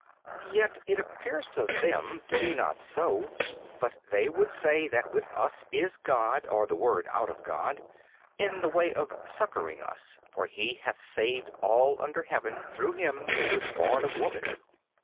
B. Yet it appears to them to be not so, but they would say that with us is God or the Word out of God, in the way of succouring us: for He hath saved all under heaven through him who was born of woman.